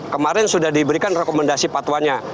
kemarin sudah diberikan rekomendasi patwanya